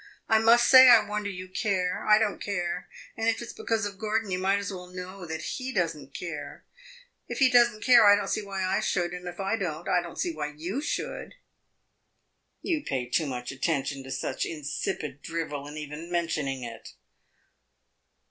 I must say I wonder you care. I don't care, and if it 's because of Gordon, you might as well know that he does n't care. If he does n't care, I don't see why I should; and if I don't, I don't see why you should!" "You pay too much attention to such insipid drivel in even mentioning it."